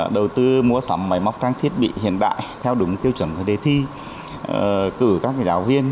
đầu tư mua sắm máy móc trang thiết bị hiện đại theo đúng tiêu chuẩn của đề thi cử các giáo viên